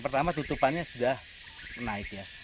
pertama tutupannya sudah naik ya